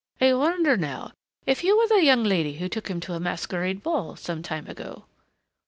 "I wonder, now, if you were the young lady who took him to a masquerade ball some time ago?"